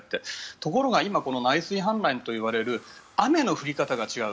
ところが今、内水氾濫といわれる雨の降り方が違う。